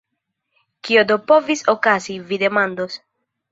Kio do povis okazi, vi demandos.